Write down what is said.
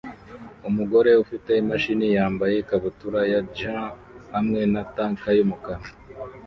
Umugore ufite imashini yambaye ikabutura ya jean hamwe na tank yumukara